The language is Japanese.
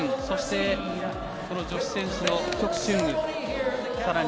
そして、女子選手の曲春雨。